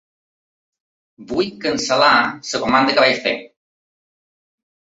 Vull cancel·lar la comanda que vaig fer.